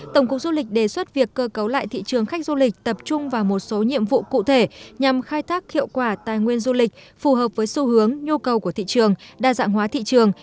tổng cục du lịch đề xuất việc cơ cấu lại thị trường khách du lịch tập trung vào một số nhiệm vụ cụ thể nhằm khai thác hiệu quả tài nguyên du lịch phù hợp với xu hướng nhu cầu của thị trường đa dạng hóa thị trường